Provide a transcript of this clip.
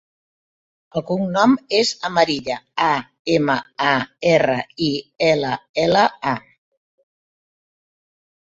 El cognom és Amarilla: a, ema, a, erra, i, ela, ela, a.